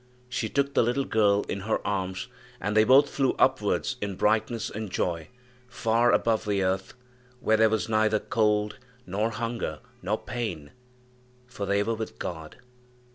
She took the little girl in her arms, and they both flew upwards in brightness and joy far above the earth, where there was neither cold nor hunger nor pain, for they were with God.